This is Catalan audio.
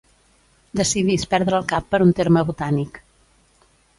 Decidís perdre el cap per un terme botànic.